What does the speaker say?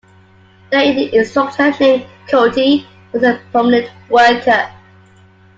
There an instructor named Kote was a prominent worker.